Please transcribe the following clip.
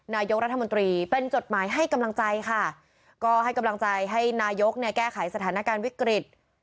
นายกรัฐมนตรีเป็นจดหมายให้กำลังใจค่ะก็ให้กำลังใจให้นายกเนี่ยแก้ไขสถานการณ์วิกฤต